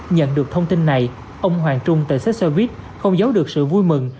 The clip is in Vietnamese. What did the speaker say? nhận được thông tin này ông hoàng trung tại xe buýt không giấu được sự vui mừng